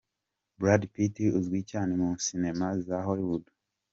Brad Pitt uzwi cyane mu sinema za Hollywood.